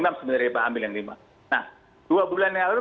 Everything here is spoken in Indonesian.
sebenarnya daripada ambil yang lima nah dua bulan yang lalu